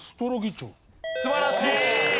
素晴らしい！